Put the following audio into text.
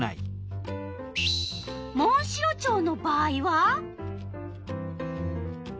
モンシロチョウの場合は？